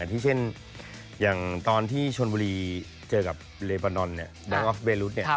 ที่เช่นอย่างตอนที่ชนบุรีเจอกับเลบานอนเนี่ยดังออฟเวรุษเนี่ย